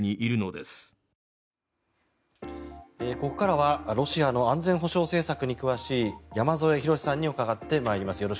ここからはロシアの安全保障政策に詳しい山添博史さんに伺ってまいります。